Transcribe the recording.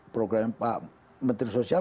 program pak menteri sosial